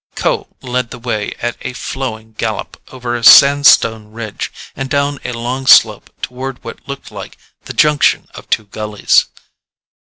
Kho led the way at a flowing gallop over a sandstone ridge and down a long slope toward what looked like the junction of two gullies.